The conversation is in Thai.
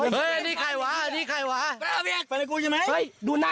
ประเภทประเภทประเภท